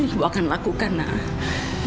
ibu akan lakukan nak